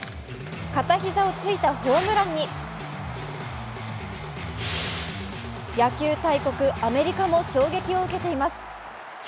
片膝をついたホームランに野球大国・アメリカも衝撃を受けています。